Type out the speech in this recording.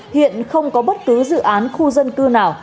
hiện không có bất cứ dự án khu dân cư nào